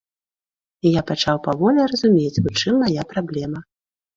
І я пачаў паволі разумець, у чым мая праблема.